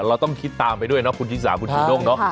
เราต้องคิดตามไปด้วยเนาะคุณชิสาคุณจูด้งเนาะ